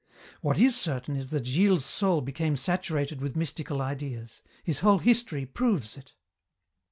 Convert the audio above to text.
"What is certain is that Gilles's soul became saturated with mystical ideas. His whole history proves it.